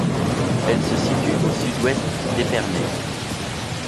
Elle se situe au sud-ouest d'Epernay.